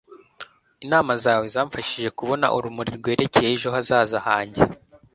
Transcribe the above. inama zawe zamfashije kubona urumuri rwerekeye ejo hazaza hanjye